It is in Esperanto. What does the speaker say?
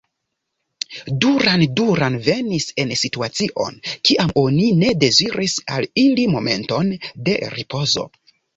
Duran Duran venis en situacion, kiam oni ne deziris al ili momenton de ripozo.